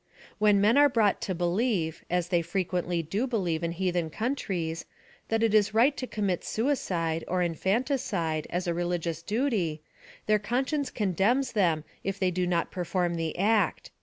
When men are brought to believe, as they frequently do believe in heathen countries, that it is right to com mit suicide, or infanticide, as a religious duty, their conscience condemns them if they do not perfonn the act.